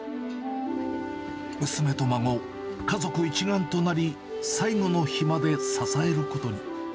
娘と孫、家族一丸となり、最後の日まで支えることに。